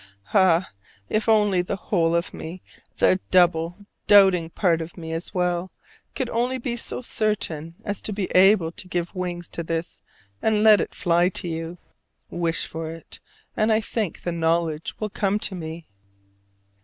Ah, if only the whole of me, the double doubting part of me as well, could only be so certain as to be able to give wings to this and let it fly to you! Wish for it, and I think the knowledge will come to me!